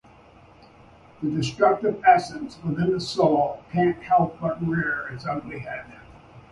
A destructive essence within the soul can’t help but rear its ugly head.